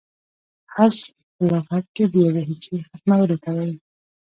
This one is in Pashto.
حذف په لغت کښي د یوې حصې ختمولو ته وايي.